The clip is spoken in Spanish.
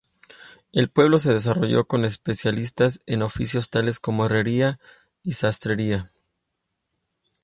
El pueblo se desarrolló con especialistas, en oficios tales como herrería y sastrería.